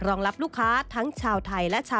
เป็นอย่างไรนั้นติดตามจากรายงานของคุณอัญชาลีฟรีมั่วครับ